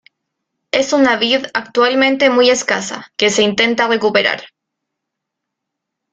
Es una vid actualmente muy escasa, que se intenta recuperar.